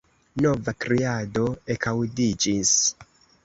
Nova kriado ekaŭdiĝis.